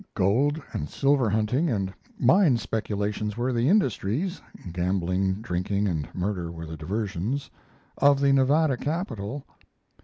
Gold and silver hunting and mine speculations were the industries gambling, drinking, and murder were the diversions of the Nevada capital.